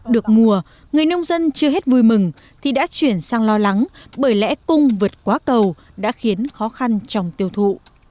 được mùa người nông dân chưa hết vui mừng thì đã chuyển sang lo lắng bởi lẽ cung vượt quá cầu đã khiến khó khăn trong tiêu thụ